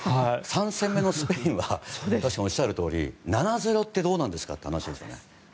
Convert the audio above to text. ３戦目のスペインは確かに、おっしゃるとおり７−０ってどうなんですかって話です。